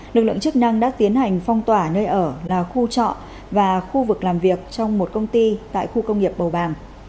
lực lượng chức năng đã tiến hành phong tỏa nơi ở là khu trọ và khu vực làm việc trong một công ty tại khu công nghiệp bầu bàng